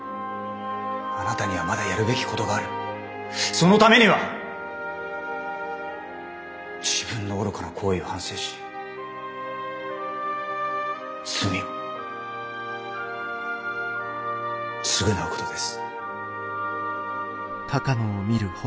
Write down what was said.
そのためには自分の愚かな行為を反省し罪を償うことです。